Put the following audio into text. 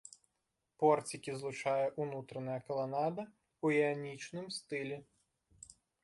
Порцікі злучае ўнутраная каланада ў іанічным стылі.